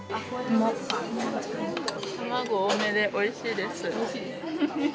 卵多めでおいしいです。